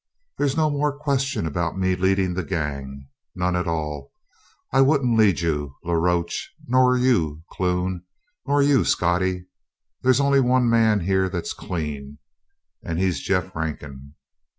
There's no more question about me leadin' the gang. None at all. I wouldn't lead you, La Roche, nor you, Clune, nor you, Scottie. There's only one man here that's clean and he's Jeff Rankin."